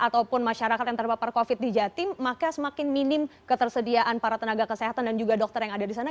ataupun masyarakat yang terpapar covid di jatim maka semakin minim ketersediaan para tenaga kesehatan dan juga dokter yang ada di sana